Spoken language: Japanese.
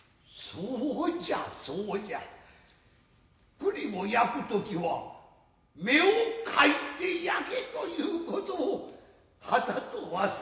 栗を焼く時は目をかいて焼けということをはたと忘れていた。